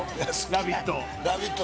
ラヴィット！